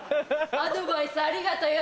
アドバイスありがとよ。